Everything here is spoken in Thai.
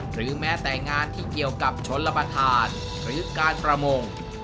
หรือแม้แต่งานที่เกี่ยวกับชนรับประทานหรือการประมง